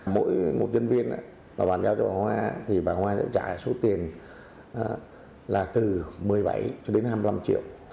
mỗi một nhân viên bà hoa sẽ trả số tiền từ một mươi bảy cho đến hai mươi năm triệu